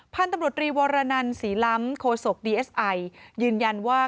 พันธุ์ตำรวจรีวรรณศรีล้ำโคศกยืนยันว่า